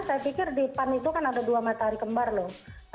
saya pikir di pan itu kan ada dua matahari kembar loh